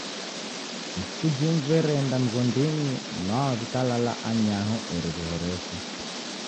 Ituku jimu w'ereenda mghondinyi nwao w'ikalala anyaho eri w'ihoreshe.